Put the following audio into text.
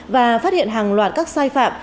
và phát hiện hàng loạt các sai phạm